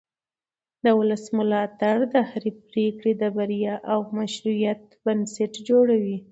د ولس ملاتړ د هرې پرېکړې د بریا او مشروعیت بنسټ جوړوي